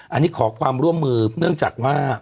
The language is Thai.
อันนี้ขอความร่วมมือเนื่องจากว่า